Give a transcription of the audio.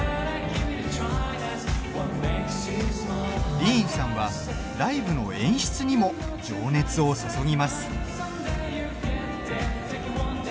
ディーンさんはライブの演出にも情熱を注ぎます。